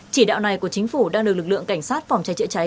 chỉ đạo này của chính phủ đang được lực lượng cảnh sát phòng trái trái trái